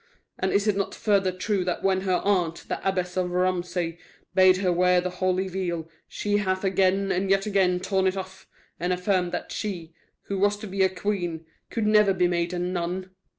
And is it not further true that when her aunt, the Abbess of Romsey, bade her wear the holy veil, she hath again and yet again torn it off, and affirmed that she, who was to be a queen, could never be made a nun?